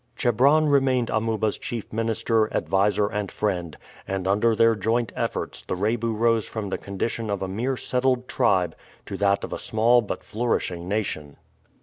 Chebron remained Amuba's chief minister, adviser, and friend, and under their joint efforts the Rebu rose from the condition of a mere settled tribe to that of a small but flourishing nation.